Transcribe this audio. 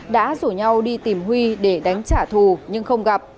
đã rủ nhau đi tìm huy để đánh trả thù nhưng không gặp